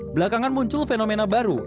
belakangan muncul fenomena baru